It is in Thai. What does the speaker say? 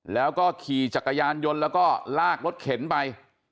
แล้วก็ขี่จักรยานยนต์แล้วก็ลากรถเข็นไป